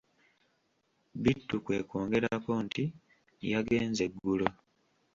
Bittu kwe kwongerako nti:"yagenze ggulo"